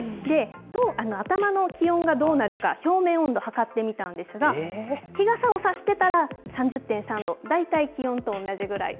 頭の気温がどうなるか、表面温度、測ってみたんですが、日傘を差してたら３０．３度、大体気温と同じぐらい。